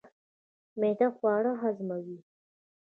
معده خواړه هضموي